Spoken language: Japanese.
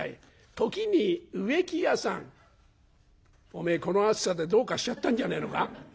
「おめえこの暑さでどうかしちゃったんじゃねえのか？